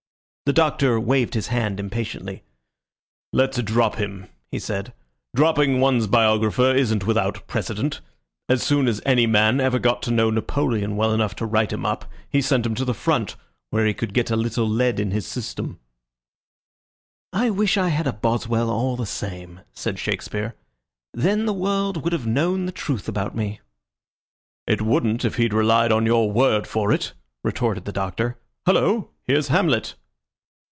The Doctor waved his hand impatiently. "Let's drop him," he said. "Dropping one's biographer isn't without precedent. As soon as any man ever got to know Napoleon well enough to write him up he sent him to the front, where he could get a little lead in his system." "I wish I had had a Boswell all the same," said Shakespeare. "Then the world would have known the truth about me." "It wouldn't if he'd relied on your word for it," retorted the Doctor. "Hullo! here's Hamlet."